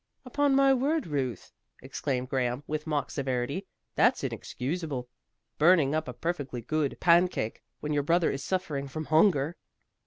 "Upon my word, Ruth," exclaimed Graham, with mock severity, "that's inexcusable. Burning up a perfectly good pan cake when your brother is suffering from hunger."